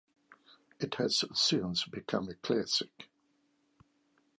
It has since become a classic.